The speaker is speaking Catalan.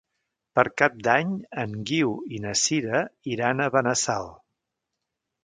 Per Cap d'Any en Guiu i na Sira iran a Benassal.